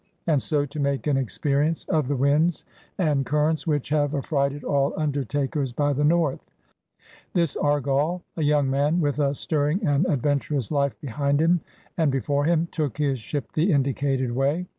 ... And so to make an experience of the Winds and 60 PIONEERS OF THE OLD SOUTH Currents which have affrighted all undertakers by the North." This Argally a young man with a stirring and adventurous life behind him and before him, took his ship the indicated way.